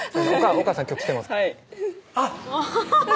おかあさん今日来てますあっ！